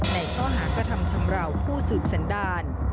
ในข้อหากระทำชำราวผู้สืบสันดาล